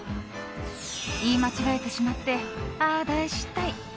言い間違えてしまってああ、大失態。